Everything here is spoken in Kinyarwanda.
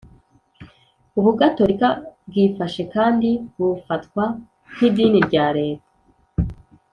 ubugatolika bwifashe kandi bufatwa nk'idini rya Leta,